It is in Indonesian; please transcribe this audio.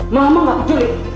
mama nggak peduli